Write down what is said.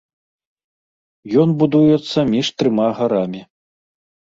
Ён будуецца між трыма гарамі.